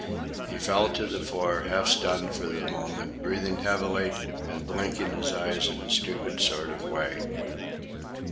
He fell to the floor, half stunned for the moment, breathing heavily and blinking his eyes in a stupid sort of way.